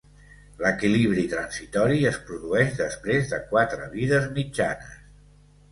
L'equilibri transitori es produeix després de quatre vides mitjanes.